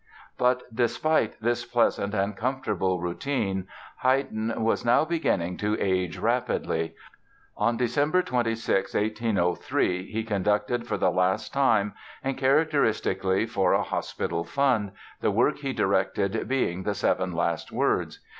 But despite this pleasant and comfortable routine Haydn was now beginning to age rapidly. On December 26, 1803, he conducted for the last time and, characteristically, for a hospital fund, the work he directed being the "Seven Last Words".